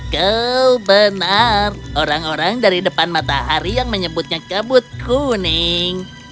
kau benar orang orang dari depan matahari yang menyebutnya kabut kuning